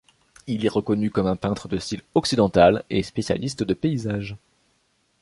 Il est reconnu comme un peintre de style occidental et spécialiste de paysages.